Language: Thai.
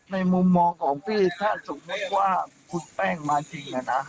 มุมมองของพี่ถ้าสมมุติว่าคุณแป้งมาจริง